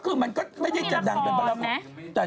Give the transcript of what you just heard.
พี่มนต์ชอบพูดกับหนูว่าตุ้มตามน้องตุ้มตาม